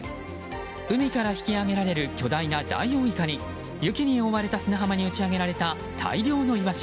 海から引き揚げられる巨大なダイオウイカに雪に覆われた砂浜に打ち揚げられた大量のイワシ。